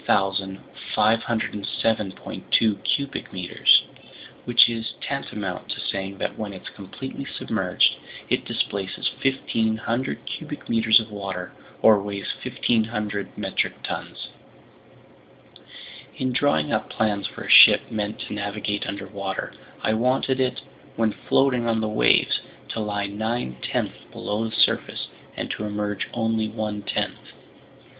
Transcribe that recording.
2 cubic meters—which is tantamount to saying that when it's completely submerged, it displaces 1,500 cubic meters of water, or weighs 1,500 metric tons. "In drawing up plans for a ship meant to navigate underwater, I wanted it, when floating on the waves, to lie nine tenths below the surface and to emerge only one tenth.